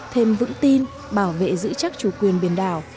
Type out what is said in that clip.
thêm vững tin bảo vệ giữ chắc chủ quyền biển đảo